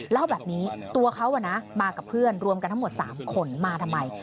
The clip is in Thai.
เล่าแบบนี้ตัวเขามากับเพื่อนรวมกันทั้งหมด๓คนมาทำไม